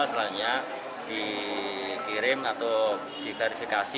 selanjutnya dikirim atau diklarifikasi